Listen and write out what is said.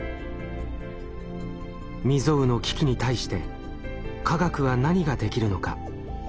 未曽有の危機に対して科学は何ができるのか。